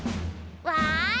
わい！